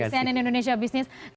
bersama kami di cnn indonesia business